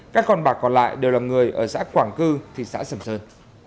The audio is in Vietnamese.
các con bạc còn lại đều là người ở xã quảng cư thị xã sầm sơn